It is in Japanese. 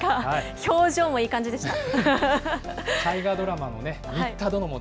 表情もいい感じでした。